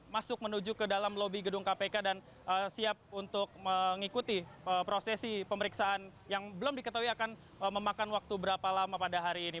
masuk menuju ke dalam lobi gedung kpk dan siap untuk mengikuti prosesi pemeriksaan yang belum diketahui akan memakan waktu berapa lama pada hari ini